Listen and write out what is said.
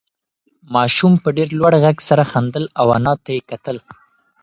ماشوم په ډېر لوړ غږ سره خندل او انا ته یې کتل.